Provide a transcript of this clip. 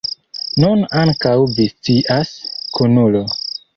Nun ankaŭ vi scias, kunulo.